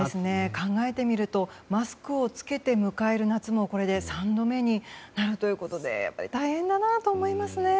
考えてみるとマスクを着けて迎える夏もこれで３度目になるということで大変だなと思いますね。